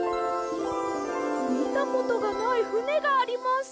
みたことがないふねがあります！